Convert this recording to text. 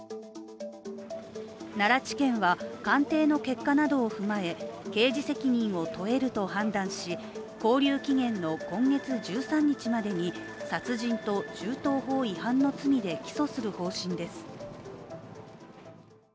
奈良地検は鑑定の結果などを踏まえ刑事責任を問えると判断し勾留期限の今月１３日までに殺人と銃刀法違反の罪で起訴する方針です。